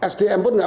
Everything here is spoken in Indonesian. sdm pun tidak